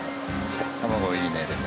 卵いいねでも。